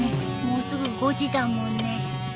もうすぐ５時だもんね。